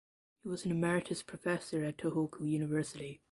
He was an emeritus professor at Tohoku University.